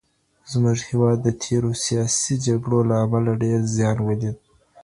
زمونږ هېواد د تېرو سياسي جګړو له امله ډېر زيان وليد.